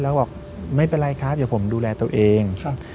แล้วบอกไม่เป็นไรครับเดี๋ยวผมดูแลตัวเอง